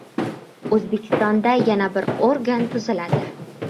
O‘zbekistonda yana bir organ tuziladi